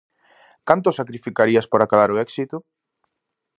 Canto sacrificarías por acadar o éxito?